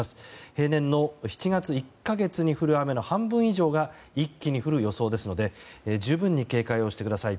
平年の７月１か月に降る雨の半分以上が一気に降る予想ですので十分に警戒してください。